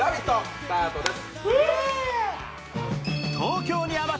スタートです。